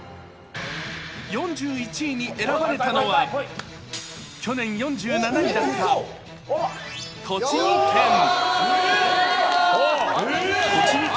４１位に選ばれたのは、去年４７位だった栃木県。